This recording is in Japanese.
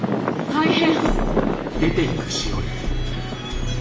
大変！